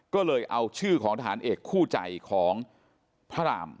ก็เลยเอาชื่อของทหารเอกคู่ใจของพระราม